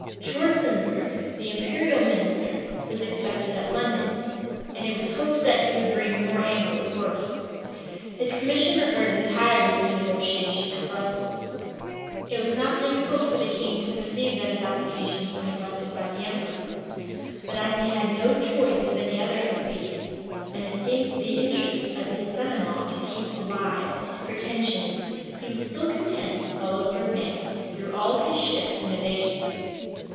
Schwartzenbourg, the imperial minister, was expected at London; and it was hoped that he would bring more ample authority: his commission referred entirely to the negotiation at Brussels. It was not difficult for the king to perceive that his applications were neglected by the emperor; but as he had no choice of any other expedient, and it seemed the interest of his son in law to keep alive his pretensions he was still content to follow Ferdinand through all his shifts and evasions.